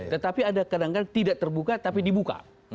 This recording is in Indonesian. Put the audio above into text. tetapi ada kadang kadang tidak terbuka tapi dibuka